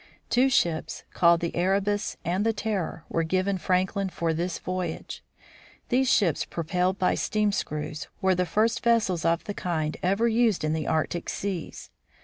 Two ships, called the Erebus and the Terror, were given Franklin for this voyage. These ships, propelled by steam screws, were the first vessels of the kind ever used in the Arctic seas.